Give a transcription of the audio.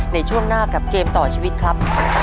ในช่วงหน้ากับเกมต่อชีวิตครับ